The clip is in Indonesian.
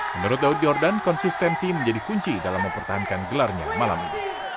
menurut daud yordan konsistensi menjadi kunci dalam mempertahankan gelarnya malam ini